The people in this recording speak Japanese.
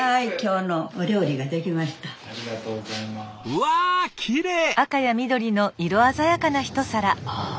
うわきれい！